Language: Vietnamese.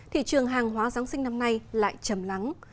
thị trường hàng hóa giáng sinh năm nay lại chầm lắng